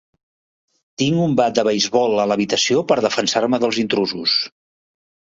Tinc un bat de beisbol a l'habitació per defensar-me dels intrusos.